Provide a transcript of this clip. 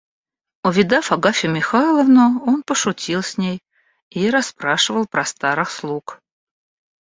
Увидав Агафью Михайловну, он пошутил с ней и расспрашивал про старых слуг.